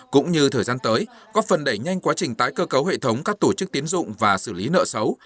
cũng như thời gian tới góp phần đẩy nhanh quá trình tái cơ cấu hệ thống các tổ chức tiến dụng và xử lý nợ xấu